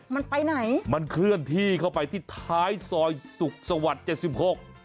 มันไปไหนมันเคลื่อนที่เข้าไปที่ท้ายซอยสุขสวรรค์เจ็ดสิบหก